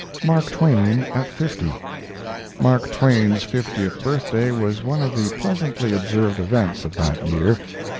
MARK TWAIN AT FIFTY Mark Twain's fiftieth birthday was one of the pleasantly observed events of that year.